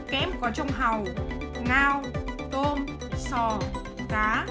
kém có trong hàu ngao tôm sò cá